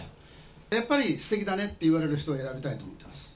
やっぱりすてきだねって言われる人を選びたいと思ってます。